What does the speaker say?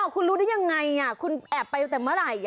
คุณรู้ได้ยังไงคุณแอบไปตั้งแต่เมื่อไหร่